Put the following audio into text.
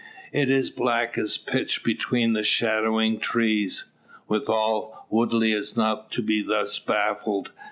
It is black as pitch beneath the shadowing trees. Withal, Woodley is not to be thus baffled.